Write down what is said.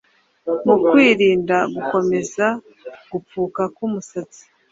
mu kwirinda gukomeza gupfuka k’umusatsi